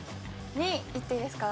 ２いっていいですか？